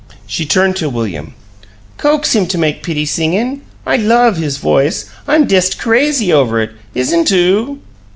She turned to William. "COAX him to make pitty singin'? I LOVE his voice I'm dest CRAZY over it. Isn't oo?"